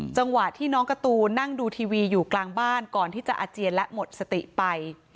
จังหวะที่น้องการ์ตูนนั่งดูทีวีอยู่กลางบ้านก่อนที่จะอาเจียนและหมดสติไป